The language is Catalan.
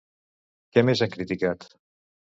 Què més han criticat?